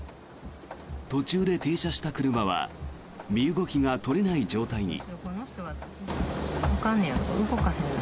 途中で停車した車は身動きが取れない状態に。